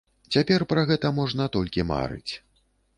Цяпер пра гэта можна толькі марыць.